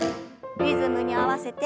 リズムに合わせて。